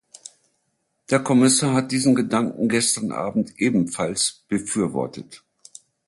Der Kommissar hat diesen Gedanken gestern Abend ebenfalls befürwortet.